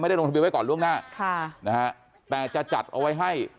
ลงทะเบียไว้ก่อนล่วงหน้าค่ะนะฮะแต่จะจัดเอาไว้ให้